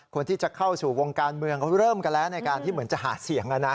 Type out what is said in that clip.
คนที่จะเข้าสู่วงการเมืองเขาเริ่มกันแล้วในการที่เหมือนจะหาเสียง